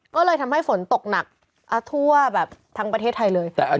ก็เลยทำให้ฝนตกหนักทั่วแบบทั้งประเทศไทยเลย